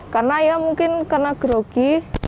karena mungkin karena gerogi